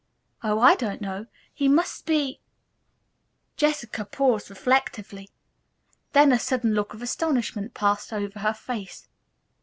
"Oh, I don't know. He must be " Jessica paused reflectively. Then a sudden look of astonishment passed over her face.